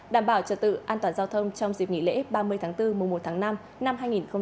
đảm bảo trật tự an toàn giao thông trong dịp nghỉ lễ ba mươi tháng bốn mùa một tháng năm năm hai nghìn hai mươi bốn